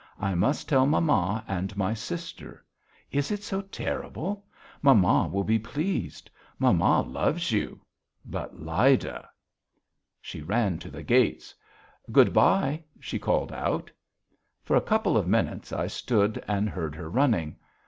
I must tell mamma and my sister.... Is it so terrible? Mamma will be pleased. Mamma loves you, but Lyda!" She ran to the gates. "Good bye," she called out. For a couple of minutes I stood and heard her running.